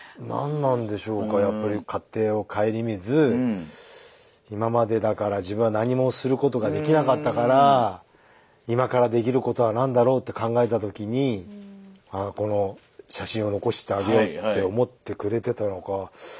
何なんでしょうかやっぱり家庭を顧みず今までだから自分は何もすることができなかったから今からできることは何だろうって考えた時にああこの写真を残してあげようって思ってくれてたのか。